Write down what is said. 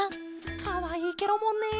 かわいいケロもんね。